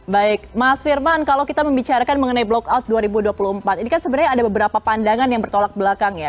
baik mas firman kalau kita membicarakan mengenai blok out dua ribu dua puluh empat ini kan sebenarnya ada beberapa pandangan yang bertolak belakang ya